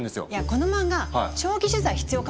この漫画長期取材必要かもね。